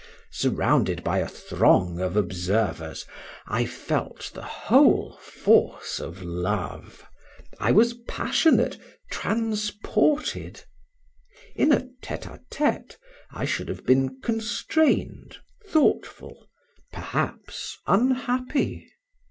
Surrounded by a throng of observers, I felt the whole force of love I was passionate, transported; in a tete a tete, I should have been constrained, thoughtful, perhaps unhappy.